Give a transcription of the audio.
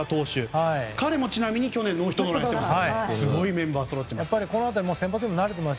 彼もちなみに去年ノーヒットノーランいってます。